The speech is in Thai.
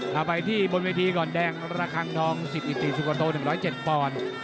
ต่อไปที่บนวิธีก่อนแด็งราคางทอง๑๐อิตตีสุขโตต้อง๑๐๗ปอนด์